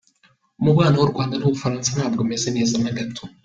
Umubano w’u Rwanda n’u Bufaransa ntabwo umeze neza na gato.